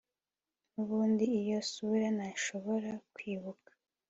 nubundi iyo sura ntashobora kwibuka